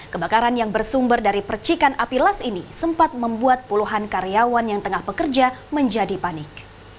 kebakaran yang bersumber dari percikan api las ini sempat membuat puluhan karyawan yang tengah pekerja menjadi panik